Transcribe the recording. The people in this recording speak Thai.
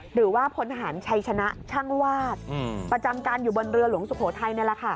หรือว่าพลทหารชัยชนะช่างวาดประจำการอยู่บนเรือหลวงสุโขทัยนี่แหละค่ะ